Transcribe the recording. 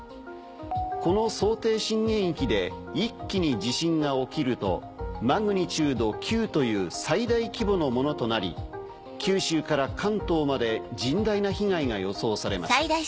この想定震源域で一気に地震が起きるとマグニチュード９という最大規模のものとなり九州から関東まで甚大な被害が予想されます。